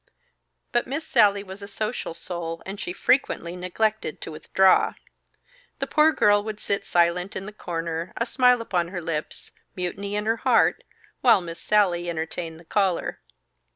But Miss Sallie was a social soul, and she frequently neglected to withdraw. The poor girl would sit silent in the corner, a smile upon her lips, mutiny in her heart, while Miss Sallie entertained the caller.